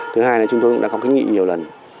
thứ hai chúng tôi cũng đã có kinh nghị nhiều lần